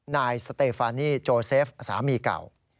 นายสเตฟานีโจเซฟสามีเก่า